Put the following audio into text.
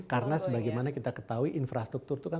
karena sebagaimana kita ketahui infrastruktur itu kan